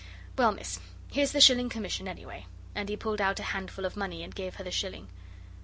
Well, miss, here's the shilling commission, anyway,' and he pulled out a handful of money and gave her the shilling.